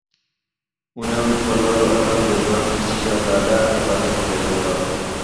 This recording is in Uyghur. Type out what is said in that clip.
ئۇنىڭ بالىلارغا ئاتاپ يازغان «كىچىك شاھزادە» قاتارلىق ئەسەرلىرى بار.